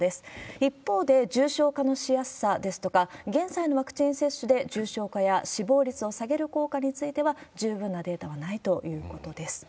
一方で、重症化のしやすさですとか、現在のワクチン接種で重症化や死亡率を下げる効果については、十分なデータはないということです。